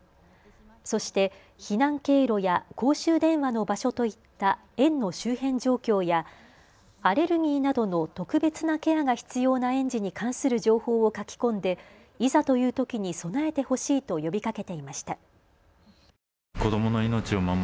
そして避難経路や公衆電話の場所といった園の周辺状況やアレルギーなどの特別なケアが必要な園児に関する情報を書き込んでいざというときに備えてほしいと呼びかけていました。